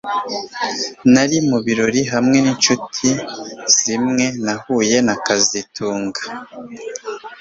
Nari mu birori hamwe ninshuti zimwe nahuye na kazitunga